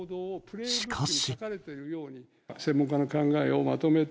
しかし。